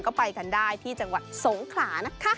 ก็ไปกันได้ที่จังหวัดสงขลานะคะ